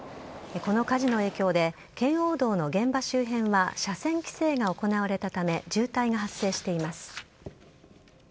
この火事の影響で圏央道の現場周辺は車線規制が行われたため渋滞が発生しています。